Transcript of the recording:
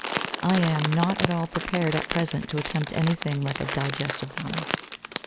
I am not at all prepared at present to attempt anything like a digest of them.